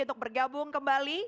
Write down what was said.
untuk bergabung kembali